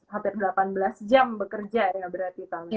tujuh empat belas hampir delapan belas jam bekerja ya berarti tami